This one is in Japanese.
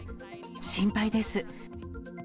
心配です。